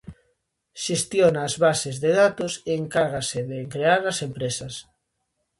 Xestiona a as bases de datos e encárgase de crear as empresas.